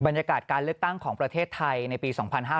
บรรยากาศการเลือกตั้งของประเทศไทยในปี๒๕๕๙